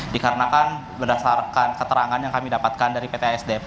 dikarenakan berdasarkan keterangan yang kami dapatkan dari pt asdp